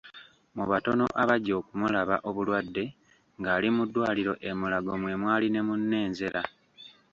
Mu batono abajja okumulaba obulwadde ng’ali mu ddwaliro e Mulago mwe mwali ne munne Nzera.